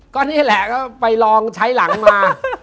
ก็นี่แหละก็ไปลองใช้หลังมา